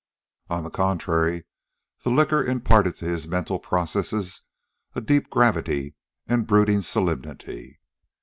On the contrary, the liquor imparted to his mental processes a deep gravity and brooding solemnity.